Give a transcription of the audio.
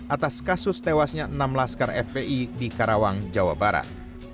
atas kasus tewasnya enam laskar fpi di karawang jawa barat